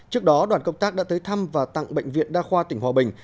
trước đó đoàn công tác đã tới thăm và tặng bệnh viện đa khoa tỉnh hòa bình